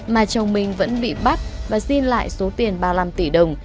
mà chồng mình vẫn bị bắt và xin lại số tiền ba mươi năm tỷ đồng